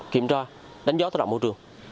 hiểm tra đánh gió tạo động môi trường